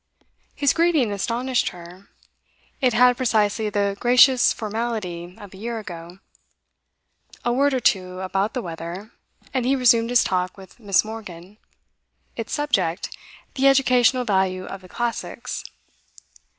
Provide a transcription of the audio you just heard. His greeting astonished her; it had precisely the gracious formality of a year ago; a word or two about the weather, and he resumed his talk with Miss. Morgan its subject, the educational value of the classics.